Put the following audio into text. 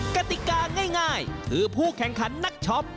กติกาง่ายคือผู้แข่งขันนักช็อป